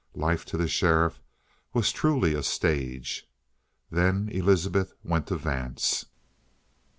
Life to the sheriff was truly a stage. Then Elizabeth went to Vance.